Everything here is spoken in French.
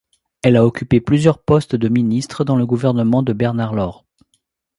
Elle a occupé plusieurs postes de ministre dans le gouvernement de Bernard Lord.